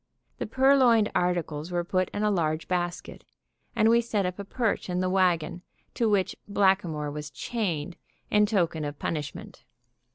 The purloined articles were put in a large basket, and we set up a perch in the wagon, to which Blackamoor was chained in token of punishment.